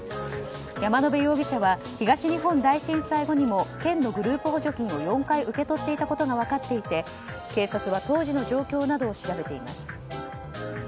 山野辺容疑者は東日本大震災後にも県のグループ補助金を４回受け取っていたことが分かっていて警察は当時の状況などを調べています。